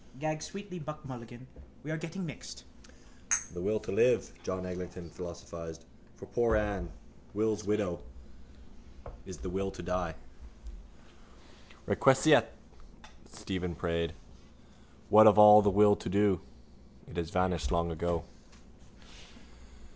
gagged sweetly Buck Mulligan. We are getting mixed. —The will to live, John Eglinton philosophised, for poor Ann, Will's widow, is the will to die. —Requiescat! Stephen prayed. What of all the will to do? It has vanished long ago...